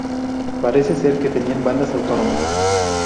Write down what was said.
Parece ser que tenían bandas autónomas.